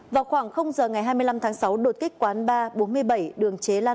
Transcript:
vào khoảng giờ ngày hai mươi năm tháng sáu đột kích quán ba bốn mươi bảy